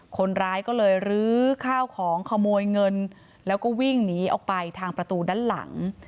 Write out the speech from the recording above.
คนร้ายก็เลยลื้อข้าวของขโมยเงินแล้วก็วิ่งหนีออกไปทางประตูด้านหลัง